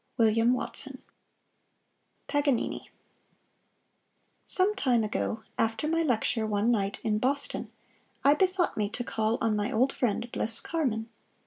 William Watson PAGANINI Some time ago, after my lecture one night in Boston, I bethought me to call on my old friend Bliss Carman.